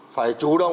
phải chủ động